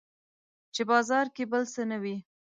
چې بازار کې بل څه نه وي